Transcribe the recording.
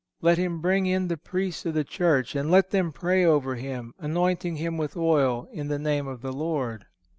Let him bring in the priests of the Church, and let them pray over him, anointing him with oil, in the name of the Lord."